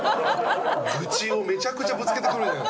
愚痴をめちゃくちゃぶつけてくる。